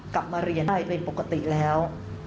กลับมาเรียนไปเป็นปกติแล้ว